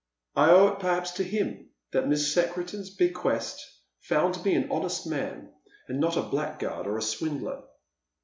I owe it perhaps to him that Misa Secretan's bequest found me an honest man, andnoL .. blackguard or a swindler."